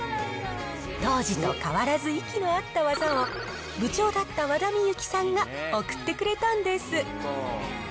当時と変わらず息の合った技を、部長だった和田美幸さんが送ってくれたんです。